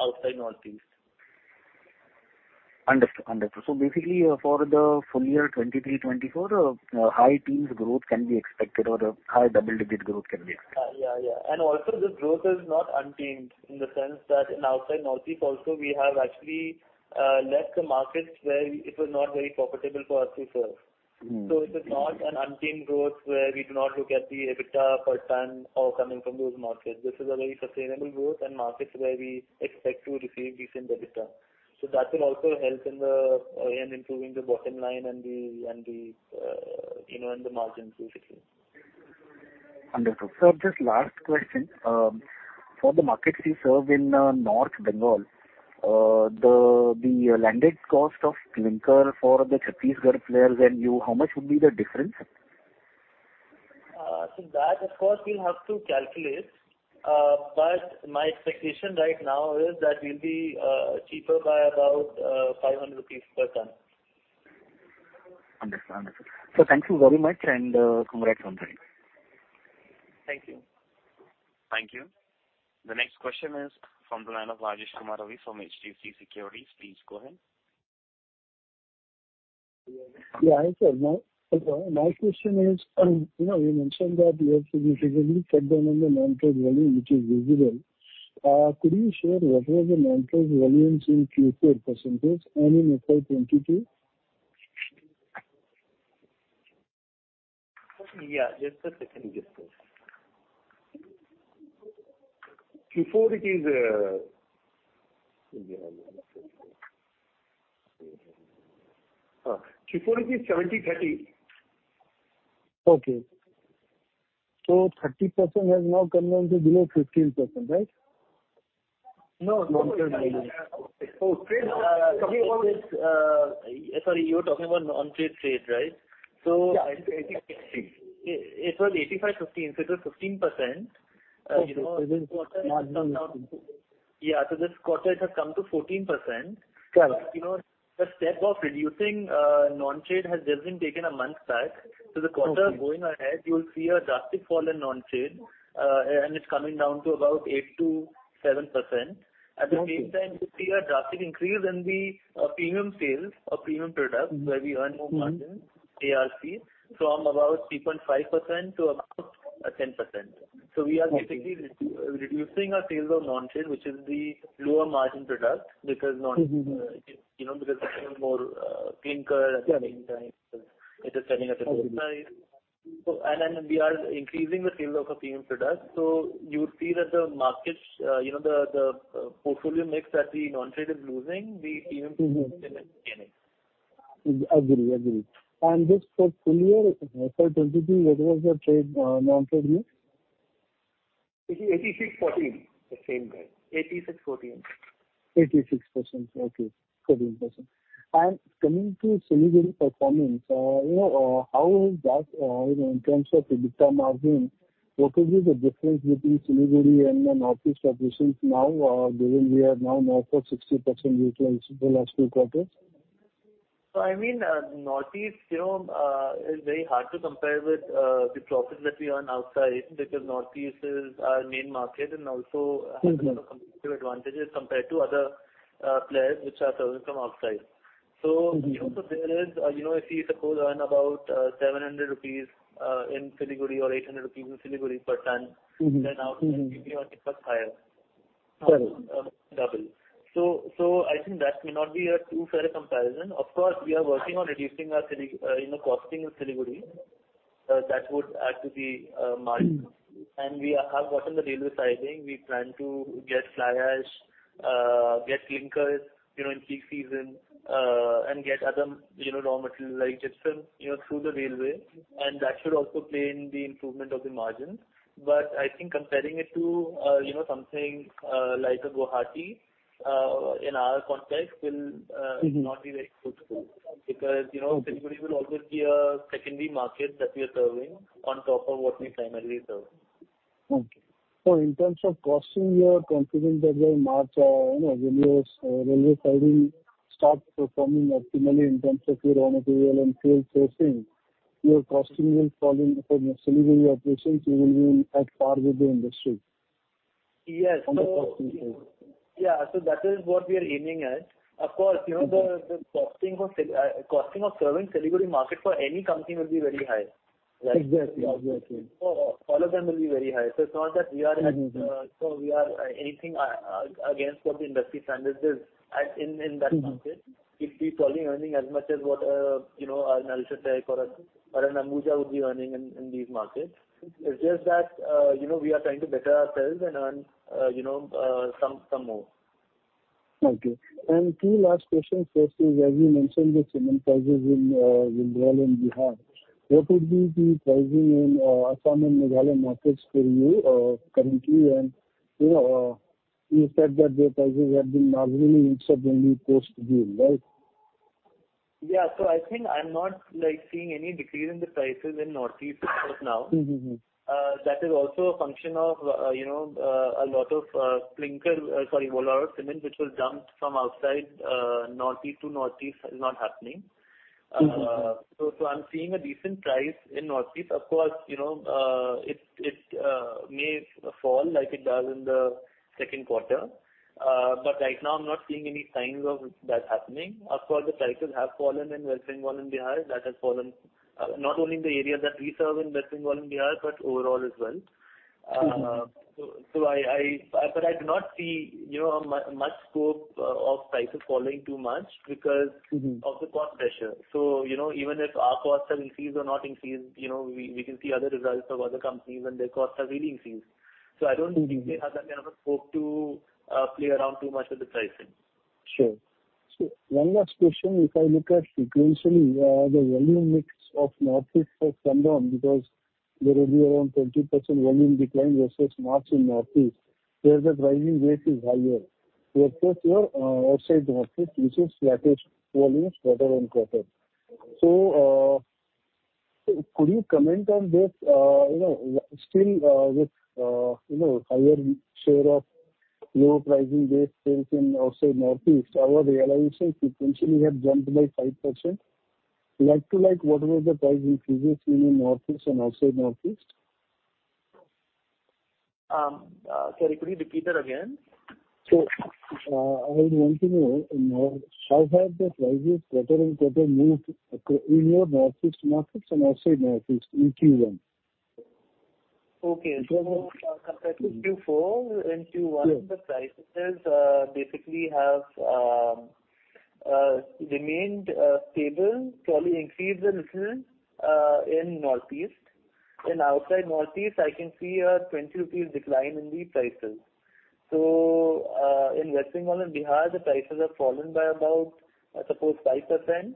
outside North East. Understood. Understood. So basically, for the full year 2023-2024, high teens growth can be expected or a high double-digit growth can be expected? Yeah. Yeah. Yeah. And also, this growth is not untamed in the sense that outside North East also, we have actually left the markets where it was not very profitable for us to serve. So it is not an untamed growth where we do not look at the EBITDA per ton or coming from those markets. This is a very sustainable growth and markets where we expect to receive decent EBITDA. So that will also help in improving the bottom line and the, you know, the margins, basically. Understood. Sir, just last question. For the markets you serve in, North Bengal, the landed cost of clinker for the Chhattisgarh players and you, how much would be the difference? To that, of course, we'll have to calculate. But my expectation right now is that we'll be cheaper by about 500 rupees per ton. Understood. Understood. Sir, thank you very much. And, congrats once again. Thank you. Thank you. The next question is from the line of Rajesh Kumar Ravi from HDFC Securities. Please go ahead. Yeah. Hi, sir. My question is, you know, you mentioned that you have significantly cut down on the non-trade volume, which is visible. Could you share what were the non-trade volumes in Q4 percentage and in FY '22? Yeah. Just a second, just a second. Q4, it is, yeah. Q4, it is 70/30. Okay. So 30% has now come down to below 15%, right? No. Non-trade volume. Oh, trade, talking about trade, sorry, you were talking about non-trade trade, right? So it was 85/15. So it was 15%, you know. Okay. So this quarter has come to. Yeah. So this quarter, it has come to 14%. Correct. You know, the step of reducing non-trade has just been taken a month back. So the quarter going ahead, you'll see a drastic fall in non-trade, and it's coming down to about 8%-7%. At the same time, you'll see a drastic increase in the premium sales of premium products where we earn more margins, ARCs, from about 3.5%-10%. So we are basically reducing our sales of non-trade, which is the lower margin product because non-trade, you know, because we sell more clinker at the same time because it is selling at a lower price. And then we are increasing the sales of our premium products. So you'll see that the markets, you know, the, the portfolio mix that the non-trade is losing, the premium products are gaining. Agree. Agree. This portfolio, FY '22, what was your trade, non-trade mix? 86/14, the same guy. 86/14. 86%. Okay. 14%. Coming to Siliguri performance, you know, how is that, you know, in terms of EBITDA margin? What would be the difference between Siliguri and the North East operations now, given we are now north of 60% utilized the last two quarters? So I mean, North East, you know, is very hard to compare with the profits that we earn outside because North East is our main market and also has a lot of competitive advantages compared to other players which are serving from outside. So, you know, so there is, you know, if you suppose earn about 700 rupees in Siliguri or 800 rupees in Siliguri per ton, then outside, you may earn a bit higher. Correct. Double. So, so I think that may not be a too fair comparison. Of course, we are working on reducing our Siliguri, you know, costing in Siliguri. That would add to the margin. And we have gotten the railway siding. We plan to get fly ash, get clinkers, you know, in peak season, and get other, you know, raw materials like gypsum, you know, through the railway. And that should also play in the improvement of the margins. But I think comparing it to, you know, something like a Guwahati, in our context will not be very fruitful because, you know, Siliguri will always be a secondary market that we are serving on top of what we primarily serve. Okay. So in terms of costing, you are confident that by March, you know, when your railway siding starts performing optimally in terms of your raw material and sales sourcing, your costing will fall in for the Siliguri operations, you will be at par with the industry on the costing side. Yes. So, yeah. So that is what we are aiming at. Of course, you know, the costing of serving Siliguri market for any company will be very high, right? Exactly. Exactly. All of them will be very high. So it's not that we are anything against what the industry standard is at in that market. We'd be probably earning as much as what, you know, an UltraTech or an Ambuja would be earning in these markets. It's just that, you know, we are trying to better ourselves and earn, you know, some more. Okay. And two last questions. First is, as you mentioned, the cement prices in Bengal and Bihar. What would be the pricing in Assam and Nagaland markets for you, currently? And, you know, you said that their prices have been marginally inched up only post-monsoon, right? Yeah. So I think I'm not, like, seeing any decrease in the prices in North East right now. That is also a function of, you know, a lot of clinker, sorry, UltraTech cement which was dumped from outside, North East to North East is not happening. So I'm seeing a decent price in North East. Of course, you know, it, it, may fall like it does in the second quarter. But right now, I'm not seeing any signs of that happening. Of course, the prices have fallen in West Bengal and Bihar. That has fallen not only in the area that we serve in West Bengal and Bihar but overall as well. So, but I do not see, you know, much scope of prices falling too much because of the cost pressure. So, you know, even if our costs have increased or not increased, you know, we, we can see other results of other companies and their costs have really increased. So I don't think they have that kind of a scope to, play around too much with the pricing. Sure. Sure. One last question. If I look at sequentially, the volume mix of North East has come down because there will be around 20% volume decline versus March in North East, where the pricing base is higher. We are flat here, outside North East, which is flat volumes quarter on quarter. So, could you comment on this, you know, still, with, you know, higher share of lower pricing base sales in outside North East? Our realizations sequentially have jumped by 5%. Like to like, what were the price increases seen in North East and outside North East? Sorry, could you repeat that again? I want to know how have the prices quarter-over-quarter moved in your North East markets and outside North East in Q1? Okay. So, compared to Q4 and Q1, the prices basically have remained stable, probably increased a little, in North East. In outside North East, I can see a 20 rupees decline in the prices. So, in West Bengal and Bihar, the prices have fallen by about, I suppose, 5%.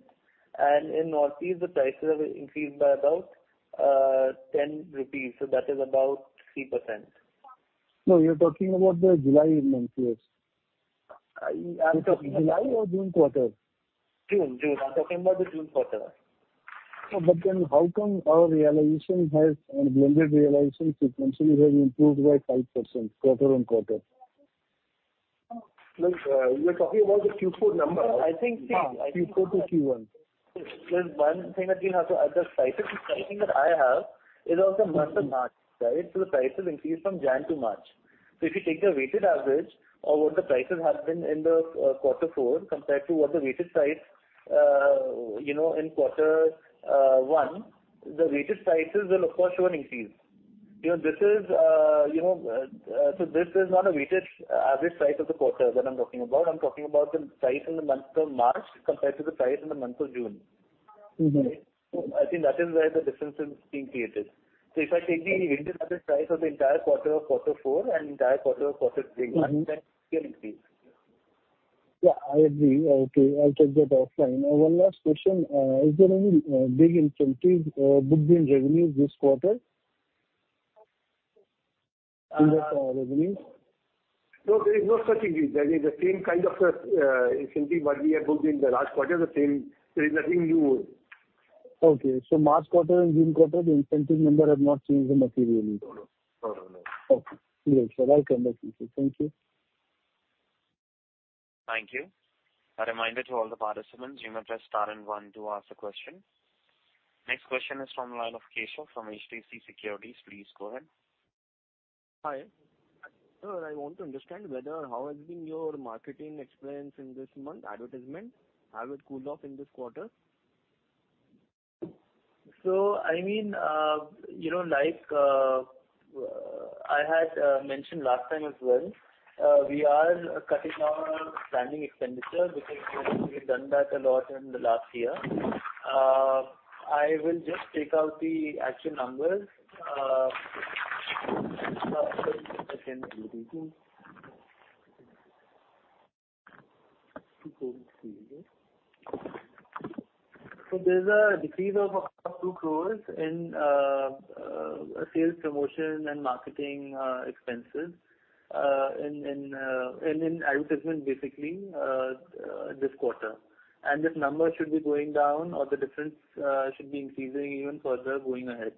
And in North East, the prices have increased by about, 10 rupees. So that is about 3%. No, you're talking about the July month, yes. I'm talking July or June quarter? June. June. I'm talking about the June quarter. Oh, but then how come our realization has and blended realization sequentially have improved by 5% quarter-over-quarter? Look, you're talking about the Q4 number. I think, see, I think. Q4 to Q1. There's one thing that we have to add to the prices. The pricing that I have is also month of March, right? So the prices increased from January to March. So if you take the weighted average of what the prices have been in the quarter four compared to what the weighted price, you know, in quarter one, the weighted prices will, of course, show an increase. You know, this is, you know, so this is not a weighted average price of the quarter that I'm talking about. I'm talking about the price in the month of March compared to the price in the month of June, right? So I think that is where the difference is being created. So if I take the weighted average price of the entire quarter of quarter four and entire quarter of quarter Q1, then we'll see an increase. Yeah. I agree. Okay. I'll check that offline. One last question. Is there any big incentives booked in revenues this quarter in this revenues? No, there is no such increase. There is the same kind of incentive that we have booked in the last quarter. The same, there is nothing new. Okay. So March quarter and June quarter, the incentive number has not changed anything? No, no. No, no, no. Okay. Great, sir. I'll come back with it. Thank you. Thank you. A reminder to all the participants, you may press star and one to ask a question. Next question is from the line of Keshav from HDFC Securities. Please go ahead. Hi. Sir, I want to understand whether or how has been your marketing experience in this month, advertisement, how it cooled off in this quarter? So, I mean, you know, like, I had mentioned last time as well, we are cutting our branding expenditure because we have done that a lot in the last year. I will just take out the actual numbers. So there's a decrease of about 2 crore in sales promotion and marketing expenses in advertisement, basically, this quarter. And this number should be going down or the difference should be increasing even further going ahead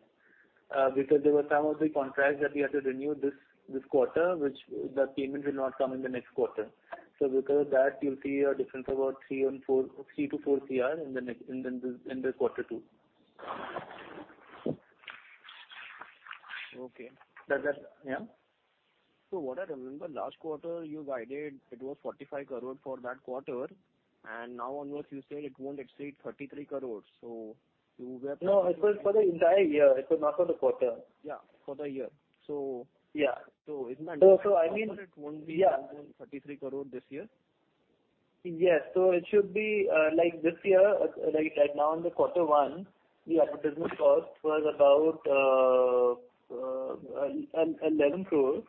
because there were some of the contracts that we had to renew this quarter, which the payment will not come in the next quarter. So because of that, you'll see a difference of about 3 crore-4 crore in the next quarter two. Okay. That, that yeah? So what I remember, last quarter, you guided, it was 45 crores for that quarter. And now onwards, you said it won't exceed 33 crores. So you were planning to. No, it was for the entire year. It was not for the quarter. Yeah. For the year. So. Yeah. So, isn't that? So, I mean. You think it won't be 33 crore this year? Yes. So it should be, like, this year, like, right now in quarter one, the advertisement cost was about 11 crore.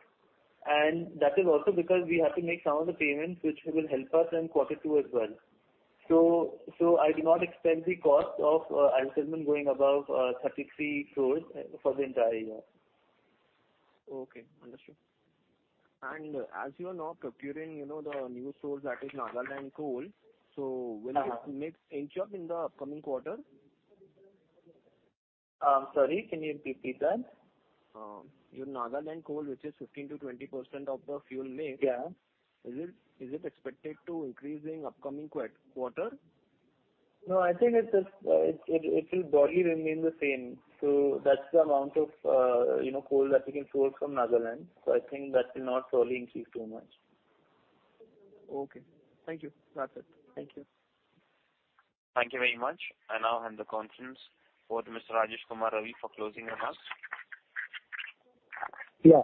And that is also because we had to make some of the payments which will help us in quarter two as well. So, so I do not expect the cost of advertisement going above 33 crore for the entire year. Okay. Understood. And as you are now procuring, you know, the new source, that is Nagaland coal, so will it mix inch up in the upcoming quarter? Sorry, can you repeat that? Your Nagaland coal, which is 15%-20% of the fuel mix, is it expected to increase in upcoming quarter? No, I think it just will broadly remain the same. So that's the amount of, you know, coal that we can source from Nagaland. So I think that will not probably increase too much. Okay. Thank you. That's it. Thank you. Thank you very much. I now hand the conference over to Mr. Rajesh Kumar Ravi for closing remarks. Yeah.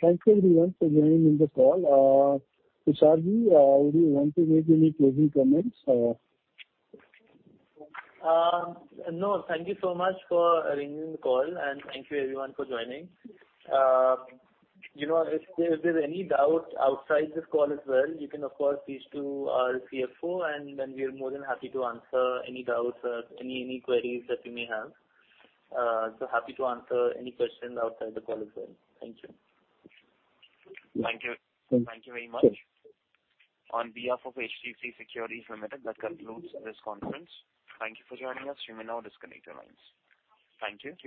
Thanks everyone for joining in the call. Tushar, would you want to make any closing comments? No. Thank you so much for ringing the call, and thank you everyone for joining. You know, if there's any doubt outside this call as well, you can, of course, speak to our CFO, and then we are more than happy to answer any doubts, any, any queries that you may have. So happy to answer any questions outside the call as well. Thank you. Thank you. Thank you very much. On behalf of HDFC Securities Limited, that concludes this conference. Thank you for joining us. You may now disconnect your lines. Thank you.